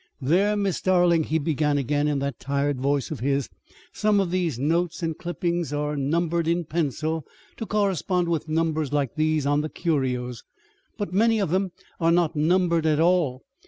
'There, Miss Darling,' he began again in that tired voice of his, 'some of these notes and clippings are numbered in pencil to correspond with numbers like these on the curios; but many of them are not numbered at all.